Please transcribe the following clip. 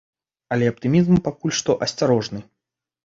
Але аптымізм пакуль што асцярожны.